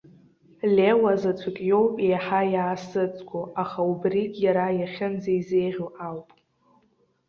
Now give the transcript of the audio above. Леуа заҵәык иоуп еиҳа иаасыҵгәо, аха убригь иара иахьынӡаизеиӷьу ауп.